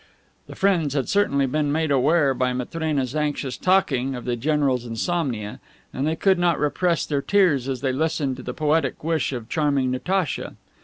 The friends had certainly been made aware, by Matrena's anxious talking, of the general's insomnia, and they could not repress their tears as they listened to the poetic wish of charming Natacha.